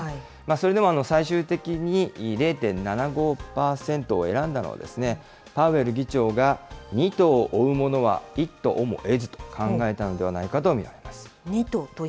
それでも最終的に、０．７５％を選んだのは、パウエル議長が、二兎を追うものは一兎も得ずと考えたのではないかと見られます。